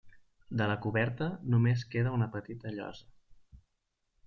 De la coberta només queda una petita llosa.